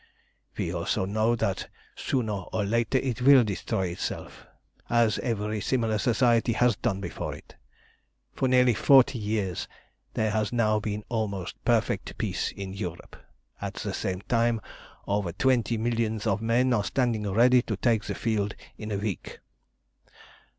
"We also know that sooner or later it will destroy itself, as every similar Society has done before it. For nearly forty years there has now been almost perfect peace in Europe. At the same time, over twenty millions of men are standing ready to take the field in a week.